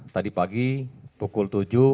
tadi pagi pukul tujuh